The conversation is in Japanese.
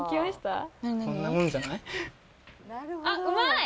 あっうまい！